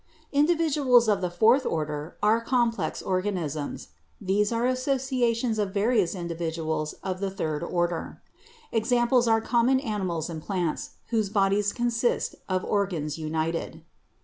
Individuals of the fourth order are complex organisms. These are associations of various individuals of the third order. Examples are common animals and plants, whose bodies consist of organs united.